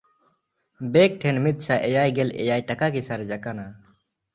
ᱵᱮᱠ ᱴᱷᱮᱱ ᱢᱤᱫᱥᱟᱭ ᱮᱭᱟᱭᱜᱮᱞ ᱮᱭᱟᱭ ᱴᱟᱠᱟ ᱜᱮ ᱥᱟᱨᱮᱡ ᱠᱟᱱᱟ᱾